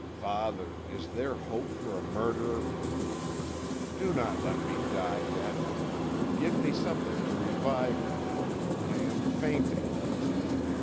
Father, is there hope for a murderer? Do not let me die yet. Give me something to revive me. I am fainting."